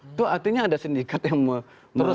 itu artinya ada sindikat yang menurut